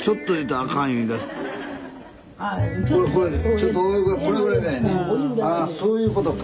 ああそういうことか。